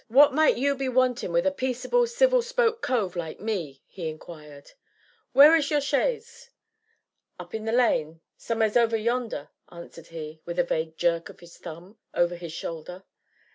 "What might you be wanting with a peaceable, civil spoke cove like me?" he inquired. "Where is your chaise?" "Up in the lane, som'eres over yonder," answered he, with a vague jerk of his thumb over his shoulder.